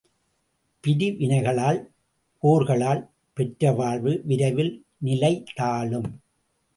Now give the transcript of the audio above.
பிரிவினைகளால் போர்களால் பெற்ற வாழ்வு விரைவில் நிலை தாழும்!